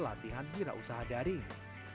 pelatihan wirausaha daring